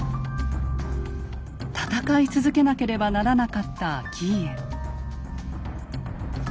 戦い続けなければならなかった顕家。